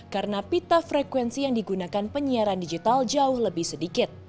karena pita frekuensi yang digunakan penyiaran digital jauh lebih sedikit